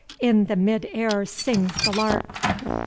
In the mid air sings the lark.